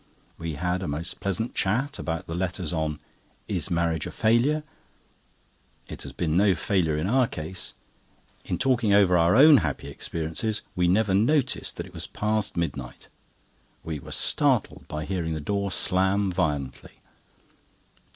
We had a most pleasant chat about the letters on "Is Marriage a Failure?" It has been no failure in our case. In talking over our own happy experiences, we never noticed that it was past midnight. We were startled by hearing the door slam violently.